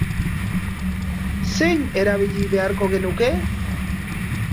Zein erabili beharko genuke?